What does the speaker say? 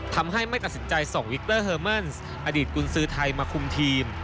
ไม่ตัดสินใจส่งวิกเตอร์เฮอร์มันสอดีตกุญสือไทยมาคุมทีม